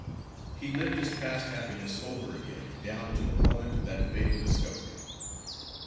He lived his past happiness over again down to the moment of that fatal discovery.